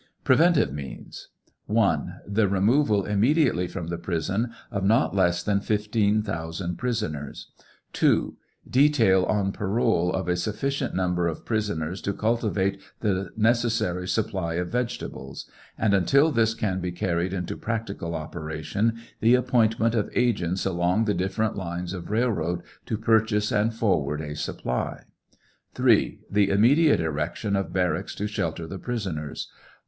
PREVENTIVE MEANS. ). The removal immediately from the prison of not less than 15,000 prisoners. 2. Detail on parole of a sufficient number of prisoners to cultivate the necessary supply of vegetables. And until this can be carried into practical operation, the appointment of agents along the different lines of railroad to purchase and forward a supply. ■3. The immediate erection of barracks to shelter the prisoners.